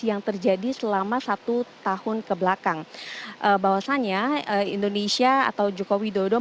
yang terjadi selama satu tahun kebelakang bahwasannya indonesia atau joko widodo